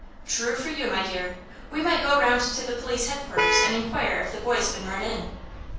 "Thrue for you, my dear. We might go round to the police headquarters and inquire if the boy's been run in."